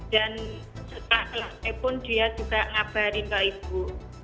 dan setelah kelasnya pun dia juga ngabarin ke ibu